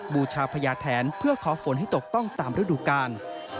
บูชาพญาแทนเพื่อขอฝนให้ตกต้องตามฤดูกาล